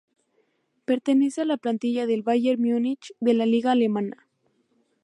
Pertenece a la plantilla del Bayern Munich de la liga alemana.